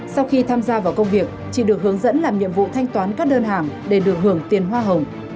sau khi tham gia vào công việc chị được hướng dẫn làm nhiệm vụ thanh toán các đơn hàng để được hưởng tiền hoa hồng